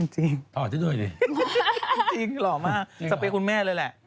จะเป็นคุณแม่เลยแหละ